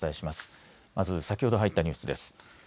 まず先ほど入ったニュースです。